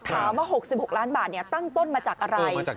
ถามว่า๖๖ล้านบาทตั้งต้นมาจากอะไร